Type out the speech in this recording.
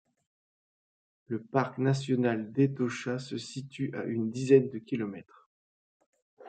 Le parc national d'Etosha se situe à une dizaine de kilomètres.